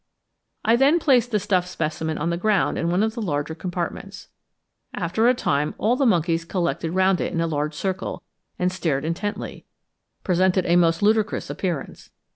I then placed the stuffed specimen on the ground in one of the larger compartments. After a time all the monkeys collected round it in a large circle, and staring intently, presented a most ludicrous appearance.